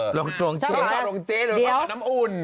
ชอบข่าวหลงเจนะทำเพื่อนน้ำอุ่น